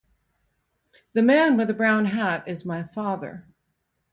The man with a brown hat is my father.